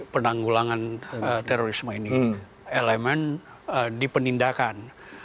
penanggulangan terorisme ini elemen di penindakan